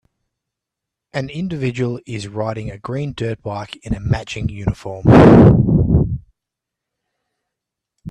An individual is riding a green dirt bike in a matching uniform.